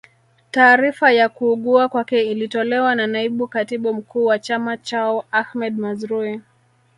Taarifa ya kuugua kwake ilitolewa na naibu katibu mkuu wa chama chao Ahmed Mazrui